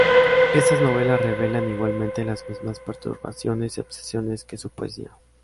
Estas novelas revelan igualmente las mismas perturbaciones y obsesiones que su poesía.